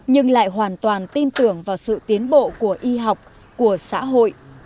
nhưng lại hoàn toàn tin tưởng vào sự tiến bộ của y học của xã hội